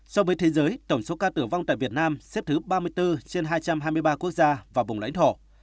so với thế giới tổng số ca tử vong tại việt nam xếp thứ ba mươi bốn trên hai trăm hai mươi ba quốc gia và vùng lãnh thổ